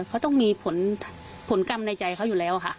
เขาต้องมีผลกรรมในใจเขาอยู่แล้วค่ะ